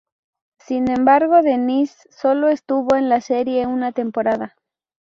Sin embargo, Denise sólo estuvo en la serie una temporada.